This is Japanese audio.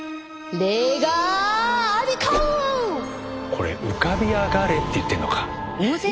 これ浮かび上がれって言ってるのか。